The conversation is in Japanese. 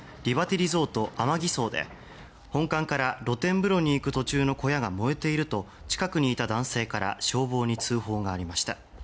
リゾートＡＭＡＧＩＳＯで「本館から露天風呂に行く途中の小屋が燃えている」と近くにいた男性から消防に通報がありました。